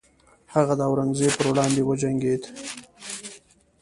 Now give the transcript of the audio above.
هغه د اورنګزیب پر وړاندې وجنګید.